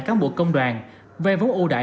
cán bộ công đoàn về vốn ưu đại